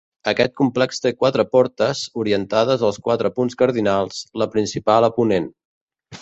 Aquest complex té quatre portes orientades als quatre punts cardinals, la principal a ponent.